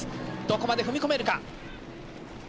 どこまで踏み込めるか。